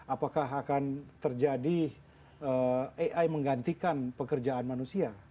apakah akan terjadi ai menggantikan pekerjaan manusia